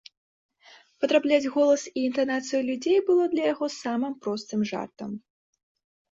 Падрабляць голас і інтанацыю людзей было для яго самым простым жартам.